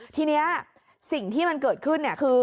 ทีนี้สิ่งที่มันเกิดขึ้นคือ